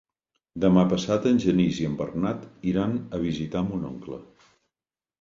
Demà passat en Genís i en Bernat iran a visitar mon oncle.